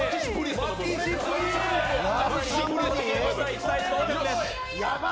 １−１、同点です。